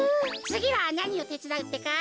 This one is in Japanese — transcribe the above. つぎはなにをてつだうってか？